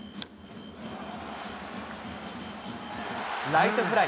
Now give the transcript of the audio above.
ライトフライ。